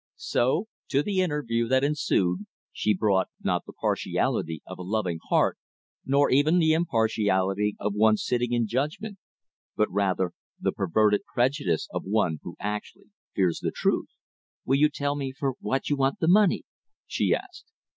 So to the interview that ensued she brought, not the partiality of a loving heart, nor even the impartiality of one sitting in judgment, but rather the perverted prejudice of one who actually fears the truth. "Will you tell me for what you want the money?" she asked.